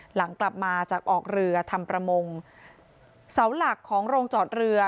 หลังกลับมาจากออกเรือทำประมงเสาหลักของโรงจอดเรือ